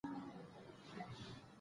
نو له نوې نړۍ سره مخېږو.